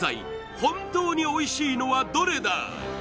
本当においしいのはどれだ！？